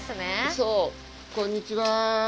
そうこんにちは。